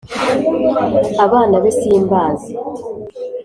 abana be simbazi